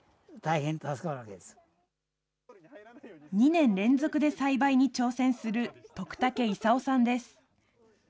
２年連続で栽培に挑戦する、徳竹功さんです。